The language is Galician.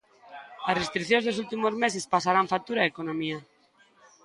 As restricións dos últimos meses pasarán factura á economía.